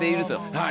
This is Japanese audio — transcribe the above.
はい。